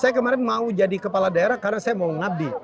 saya kemarin mau jadi kepala daerah karena saya mau ngabdi